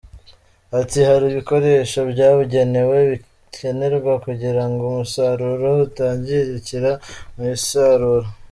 Ati “Hari ibikoresho byabugenewe bikenerwa kugira ngo umusaruro utangirikira mu isarura.